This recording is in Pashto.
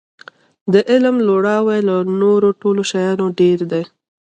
د علم لوړاوی له نورو ټولو شیانو ډېر دی.